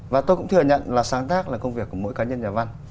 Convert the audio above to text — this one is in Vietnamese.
và tôi cũng thừa nhận là sáng tác là công việc của mỗi cá nhân nhà văn